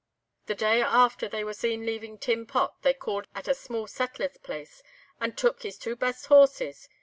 "The day after they were seen leaving 'Tin Pot,' they called at a small settler's place and took his twa best horses.